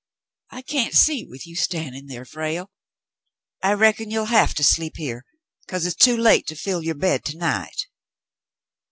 "I can't see with you standing there, Frale. I reckon you'll have to sleep here, because it's too late to fill your bed to night."